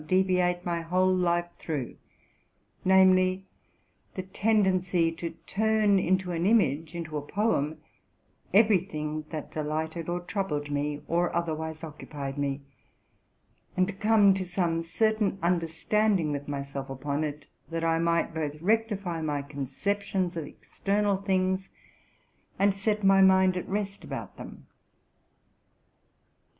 235 deviate my whole life through; namely, the tendency to turn into an image, into a poem, every thing that delighted or troubled me, or otherwise occupied me, and to come to some certain understanding with myself upon it, that I might both rectify my conceptions of external things, and set my mind at rest about them.